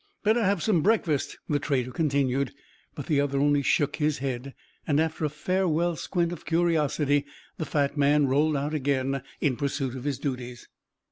"Better have some breakfast," the trader continued; but the other only shook his head. And after a farewell squint of curiosity, the fat man rolled out again in pursuit of his duties.